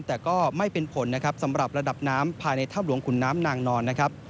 แต่ก็ไม่เป็นผลนะครับสำหรับระดับน้ำภายในถ้ำหลวงขุนน้ำนางนอนนะครับ